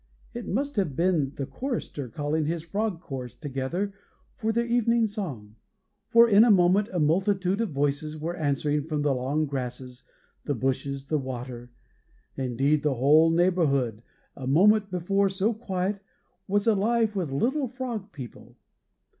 It must have been the chorister calling his frog chorus together for their evening song, for in a moment a multitude of voices were answering from the long grasses, the bushes, the water indeed, the whole neighborhood, a moment before so quiet, was alive with little frog people.